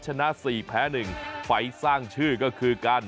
ชนะ๔แพ้๑ไฟล์สร้างชื่อก็คือการ